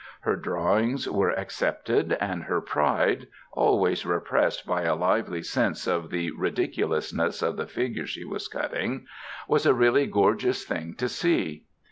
Her drawings were accepted, and her pride always repressed by a lively sense of the ridiculousness of the figure she was cutting was a really gorgeous thing to see.